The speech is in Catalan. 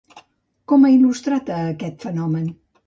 Com ha il·lustrat aquest fenomen?